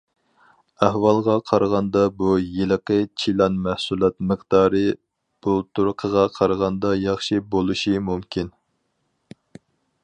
ئەھۋالغا قارىغاندا بۇ يىلقى چىلان مەھسۇلات مىقدارى بۇلتۇرقىغا قارىغاندا ياخشى بولۇشى مۇمكىن.